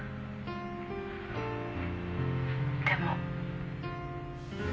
「でも」